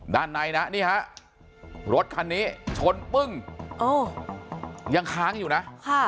ด้านในนะนี่ฮะรถคันนี้ชนปึ้งโอ้ยังค้างอยู่นะ